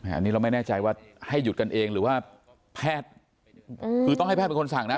อันนี้เราไม่แน่ใจว่าให้หยุดกันเองหรือว่าแพทย์คือต้องให้แพทย์เป็นคนสั่งนะ